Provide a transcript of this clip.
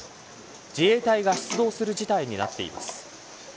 自衛隊が出動する事態となっています。